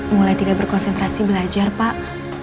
mulai tidak berkonsentrasi belajar pak